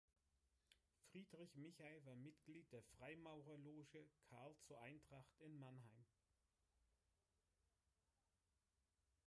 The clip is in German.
Friedrich Michael war Mitglied der Freimaurerloge "Carl zur Eintracht" in Mannheim.